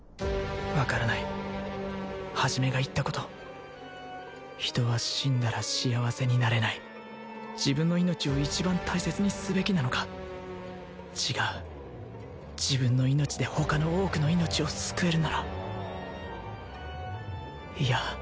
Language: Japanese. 分からない一が言ったこと人は死んだら幸せになれない自分の命を一番大切にすべきなのか違う自分の命で他の多くの命を救えるならいや